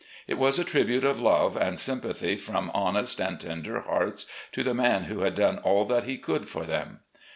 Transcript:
It was a tribute of love and sympathy from honest and tender hearts to the man who had done all that he could for them.